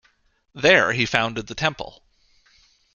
There he founded the temple.